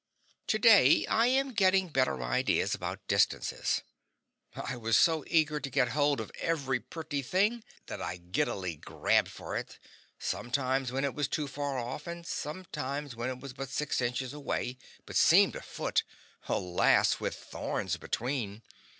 Today I am getting better ideas about distances. I was so eager to get hold of every pretty thing that I giddily grabbed for it, sometimes when it was too far off, and sometimes when it was but six inches away but seemed a foot alas, with thorns between!